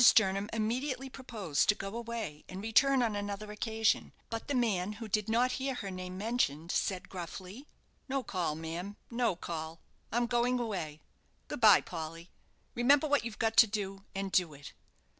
Jernam immediately proposed to go away and return on another occasion, but the man, who did not hear her name mentioned, said, gruffly: "No call, ma'am, no call; I'm going away. Good bye, Polly. Remember what you've got to do, and do it."